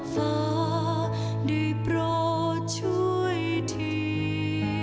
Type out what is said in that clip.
ฟ้าได้โปรดช่วยที